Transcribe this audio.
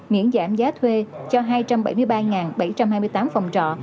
miễn giảm giá thuê cho hai trăm bảy mươi ba bảy trăm hai mươi tám phòng trọ